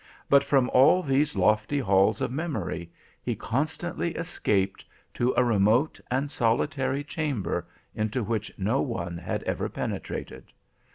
But from all these lofty halls of memory he constantly escaped to a remote and solitary chamber, into which no one had ever penetrated.